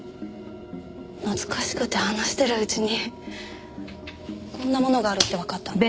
懐かしくて話してるうちにこんなものがあるってわかったの。